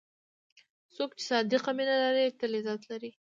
څوک چې صادق مینه لري، تل عزت لري.